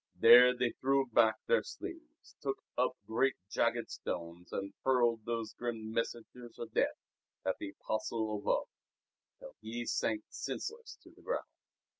There they threw back their sleeves, took up great jagged stones and hurled these grim messengers of hate at the Apostle of Love, till he sank senseless to the ground.